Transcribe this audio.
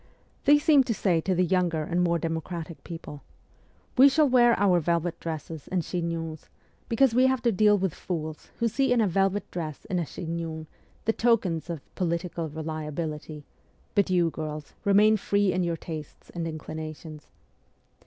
They seemed to say to the younger and more democratic people, ' "We shall wear our velvet dresses and chignons, because we have to deal with fools who see in a velvet dress and a chignon the tokens of " political reliability ;" but you, girls, remain free in your tastes and inclinations.'